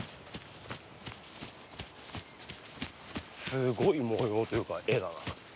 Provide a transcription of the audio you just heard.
すごい模様というか絵だな。